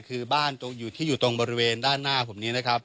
คือบ้านอยู่ที่อยู่ตรงบริเวณด้านหน้าผมนี้นะครับ